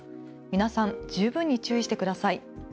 皆さん、十分に注意してください。